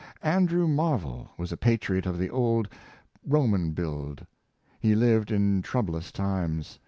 Andrew Marvell was a patriot of the old Roman build. He lived in troublous times.